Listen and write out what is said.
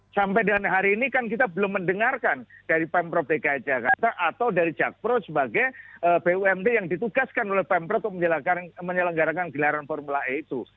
sampai dengan hari ini kan kita belum mendengarkan dari pemprov dki jakarta atau dari jakpro sebagai bumd yang ditugaskan oleh pemprov untuk menyelenggarakan gelaran formula e itu